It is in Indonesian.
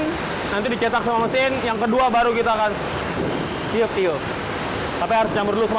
nanti dicetak sama mesin yang kedua baru kita akan siup siup tapi harus campur dulu semua